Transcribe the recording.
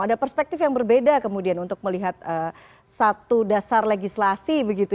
ada perspektif yang berbeda kemudian untuk melihat satu dasar legislasi begitu